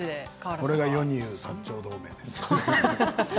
これが世に言う薩長同盟です。